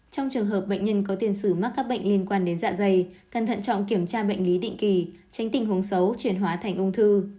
trong trường hợp bệnh nhân có tiền sử mắc các bệnh liên quan đến dạ dày cần thận trọng kiểm tra bệnh lý định kỳ tránh tình huống xấu chuyển hóa thành ung thư